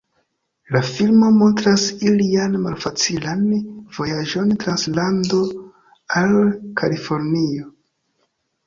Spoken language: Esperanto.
La filmo montras ilian malfacilan vojaĝon trans lando al Kalifornio.